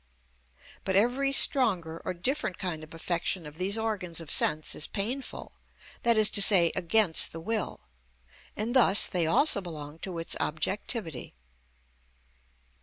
But every stronger or different kind of affection of these organs of sense is painful, that is to say, against the will, and thus they also belong to its objectivity.